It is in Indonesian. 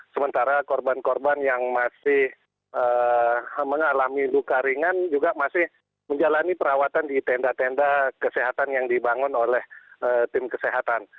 sementara korban korban yang masih mengalami luka ringan juga masih menjalani perawatan di tenda tenda kesehatan yang dibangun oleh tim kesehatan